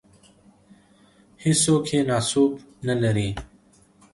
هېڅوک یې ناسوب نه لري.